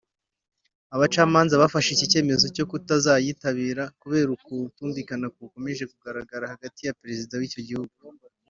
Abacamanza bafashe iki cyemezo cyo kutazayitabira kubera ukutumvikana gukomeje kugaragara hagati ya Perezida w’icyo gihugu